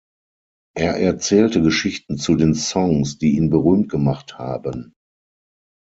Er erzählte Geschichten zu den Songs, die ihn berühmt gemacht haben.